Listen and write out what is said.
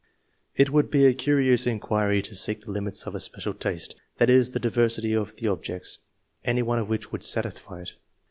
It would be a curious inquiry to seek the limits of a special taste, that is, the diversity of the objects, any one of which would satisfy it.